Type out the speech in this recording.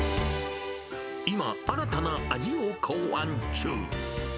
今、新たな味を考案中。